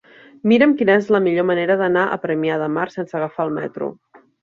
Mira'm quina és la millor manera d'anar a Premià de Mar sense agafar el metro.